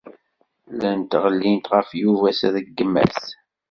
Llant ɣellint ɣef Yuba s rregmat.